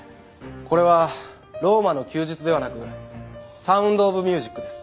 これは『ローマの休日』ではなく『サウンド・オブ・ミュージック』です。